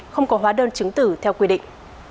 không có hóa đơn chứng tử theo quy định